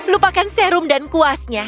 lupakan serum dan kuasnya